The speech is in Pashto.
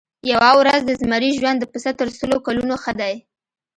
یوه ورځ د زمري ژوند د پسه تر سلو کلونو ښه دی.